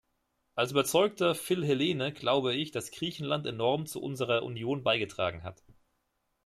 Als überzeugter Philhellene glaube ich, dass Griechenland enorm zu unserer Union beigetragen hat.